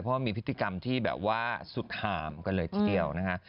เพราะว่ามีพฤติกรรมที่แบบว่าสุดห่ามก็เลยเที่ยวนะฮะ